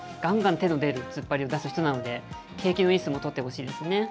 手の出る突っ張りを出す人なんで、景気のいい相撲を取ってほしいですね。